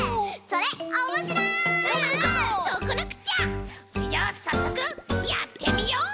それじゃあさっそくやってみよう！